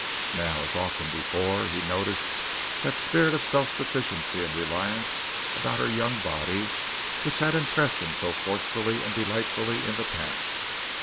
Now, as so often before, he noticed that spirit of self sufficiency and reliance about her young body which had impressed him so forcibly and delightfully in the past.